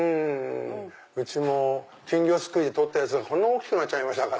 うちも金魚すくいで取ったやつがこんな大きくなっちゃいました。